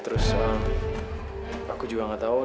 terus aku juga gak tau